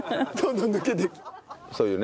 そういうね。